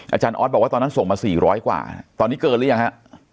อาจารย์ออสบอกว่าตอนนั้นส่งมา๔๐๐กว่าตอนนี้เกินหรือยังฮะ